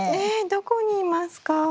どこにいますか？